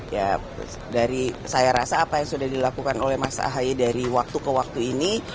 ya dari saya rasa apa yang sudah dilakukan oleh mas ahaye dari waktu ke waktu ini